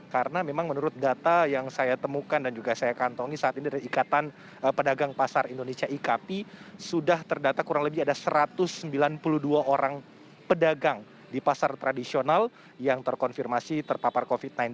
karena memang menurut data yang saya temukan dan juga saya kantongi saat ini dari ikatan pedagang pasar indonesia ikp sudah terdata kurang lebih ada satu ratus sembilan puluh dua orang pedagang di pasar tradisional yang terkonfirmasi terpapar covid sembilan belas